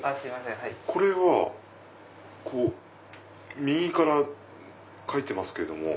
これは右から書いてますけども。